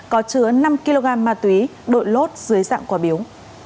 có chứa năm kg ma túy đội lốt dưới dạng quả biếu